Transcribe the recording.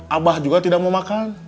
abah juga tidak mau makan